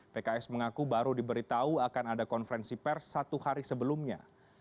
pks mengaku baru diberitahu akan ada konferensi pers satu hari sebelumnya